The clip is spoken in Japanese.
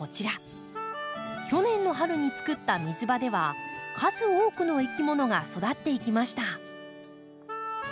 去年の春につくった水場では数多くのいきものが育っていきました。